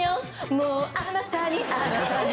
「もうあなたにあなたにおぼれる」